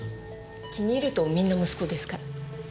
気に入るとみんな息子ですから。